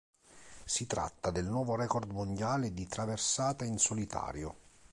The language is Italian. Si tratta del nuovo record mondiale di traversata in solitario.